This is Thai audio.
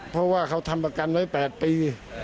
เพราะว่าเขาทำประกันไว้๘ปี